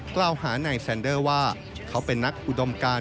กล่าวหานายแซนเดอร์ว่าเขาเป็นนักอุดมการ